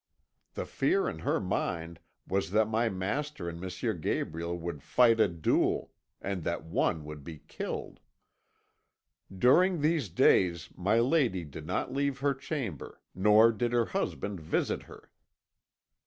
The fear in her mind was that my master and M. Gabriel would fight a duel, and that one would be killed. "During these days my lady did not leave her chamber, nor did her husband visit her.